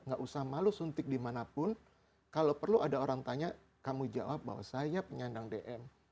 gak usah malu suntik dimanapun kalau perlu ada orang tanya kamu jawab bahwa saya penyandang dm